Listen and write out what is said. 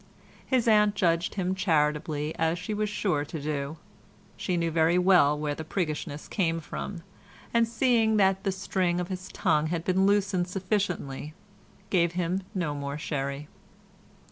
His aunt judged him charitably as she was sure to do; she knew very well where the priggishness came from, and seeing that the string of his tongue had been loosened sufficiently gave him no more sherry.